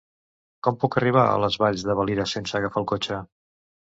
Com puc arribar a les Valls de Valira sense agafar el cotxe?